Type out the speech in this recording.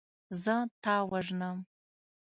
زه تا وژنم.